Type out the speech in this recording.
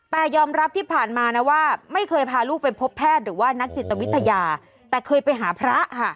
แต่ยอมรับที่ผ่านมานะว่าไม่เคยพาลูกไปพบแพทย์หรือว่านักจิตวิทยาแต่เคยไปหาพระค่ะ